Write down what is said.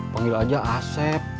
panggil aja asep